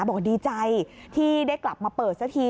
บอกว่าดีใจที่ได้กลับมาเปิดสักที